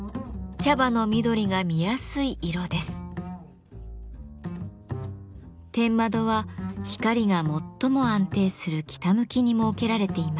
天窓は光が最も安定する北向きに設けられています。